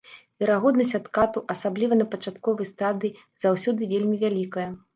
Верагоднасць адкату, асабліва на пачатковай стадыі, заўсёды вельмі вялікая.